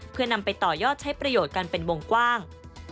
เพื่อนำไปต่อยอดใช้ประโยชน์กันเป็นวงกว้าง